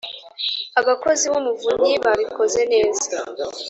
abakozi bumuvunnyi babikoze neza